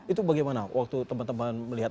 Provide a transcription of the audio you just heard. itu bagaimana waktu teman teman melihat